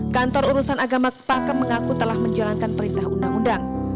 kantor urusan agama kepakem mengaku telah menjalankan perintah undang undang